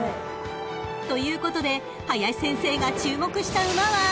［ということで林先生が注目した馬は］